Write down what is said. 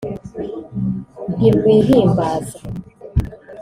ntirwihimbaza